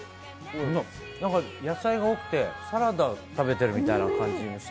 野菜が多くて、サラダ食べてるみたいな感じです。